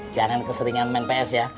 jangan keseringan main ps ya